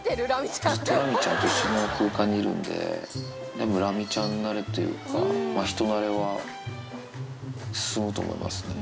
ずっとラミちゃんと一緒の空間にいるので、でもラミちゃんなれというか、人なれは進むと思いますね。